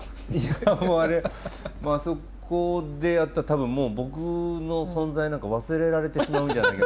いやもうあれあそこでやったら多分もう僕の存在なんか忘れられてしまうんじゃないかな。